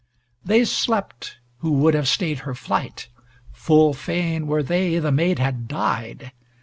They slept, who would have stayed her flight; (Full fain were they the maid had died!)